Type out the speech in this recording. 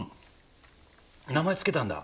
名前付けたんだ？